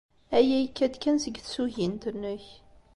Aya yekka-d kan seg tsugint-nnek.